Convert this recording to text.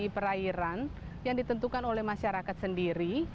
di perairan yang ditentukan oleh masyarakat sendiri